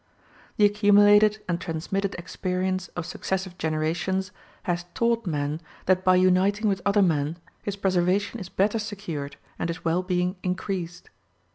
The accumulated and transmitted experience of successive generations has taught man that by uniting with other men his preservation is better secured and his well being increased.